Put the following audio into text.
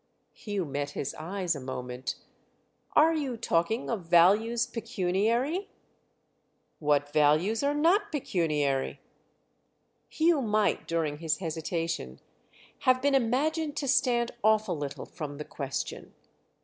Hugh met his eyes a moment "Are you talking of values pecuniary?" "What values are not pecuniary?" Hugh might, during his hesitation, have been imagined to stand off a little from the question.